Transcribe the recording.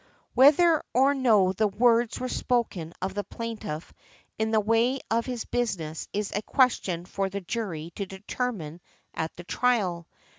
Whether or no the words were spoken of the plaintiff in the way of his business is a question for the jury to determine at the trial.